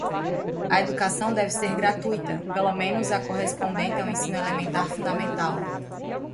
A educação deve ser gratuita, pelo menos a correspondente ao ensino elementar fundamental.